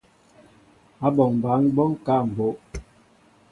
Áɓɔŋ ɓăn ɓɔ ŋkă a mbóʼ.